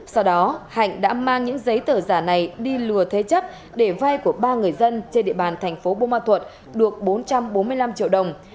sau đó hạnh đã mang những giấy tờ giả này đi lừa thế chấp để vay của ba người dân trên địa bàn thành phố bô ma thuật được bốn trăm bốn mươi năm triệu đồng